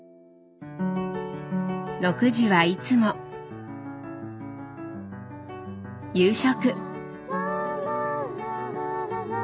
６時はいつも夕食。